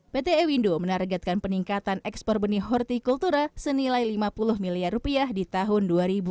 pt ewindo menargetkan peningkatan ekspor benih hortikultura senilai lima puluh miliar rupiah di tahun dua ribu dua puluh